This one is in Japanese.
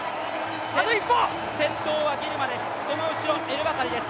先頭はギルマです、その後ろエルバカリです。